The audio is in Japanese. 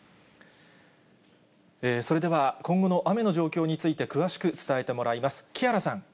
それでは今後の雨の状況について、詳しく伝えてもらいます。